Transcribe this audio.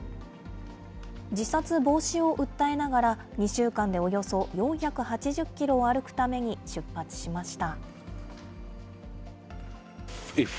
自殺防止を訴えながら、２週間でおよそ４８０キロを歩くために出発しました。